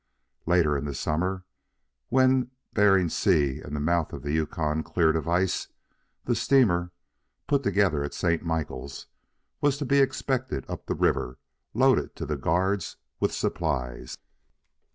Later in the summer, when Bering Sea and the mouth of the Yukon cleared of ice, the steamer, put together at St. Michaels, was to be expected up the river loaded to the guards with supplies.